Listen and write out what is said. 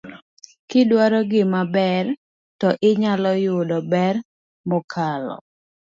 ka idwaro gimaber to inyalo yudo ber mokalo.